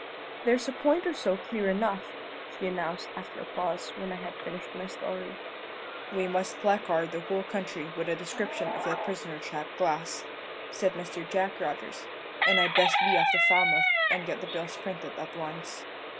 "There's a point or so clear enough," she announced, after a pause, when I had finished my story. "We must placard the whole country with a description of that prisoner chap Glass," said Mr. Jack Rogers; "and I'd best be off to Falmouth and get the bills printed at once."